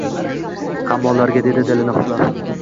Hammollarga dedi dilini xushlab: